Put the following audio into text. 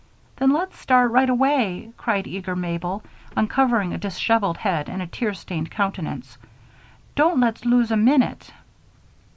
"Then let's start right away," cried eager Mabel, uncovering a disheveled head and a tear stained countenance. "Don't let's lose a minute."